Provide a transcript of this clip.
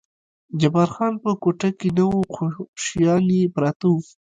جبار خان په کوټه کې نه و، خو شیان یې پراته و.